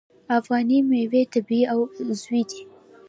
افغاني میوې طبیعي او عضوي دي.